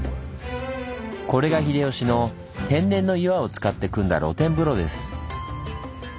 これが秀吉の天然の岩を使って組んだ露天風呂です。